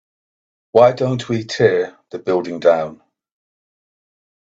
why don't we tear the building down?